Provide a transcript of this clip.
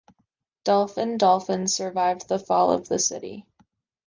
Dolfin Dolfin survived the fall of the city.